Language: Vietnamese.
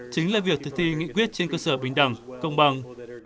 chính là việc thực thi nghị quyết trên cơ sở bình đẳng công bằng